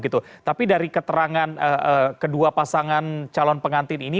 tapi dari keterangan kedua pasangan calon pengantin ini